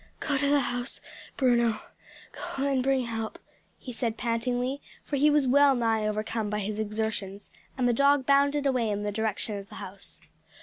"Go to the house, Bruno, go and bring help," he said pantingly, for he was well nigh overcome by his exertions, and the dog bounded away in the direction of the house.